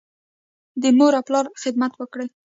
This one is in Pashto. د مور او پلار خدمت وکړئ.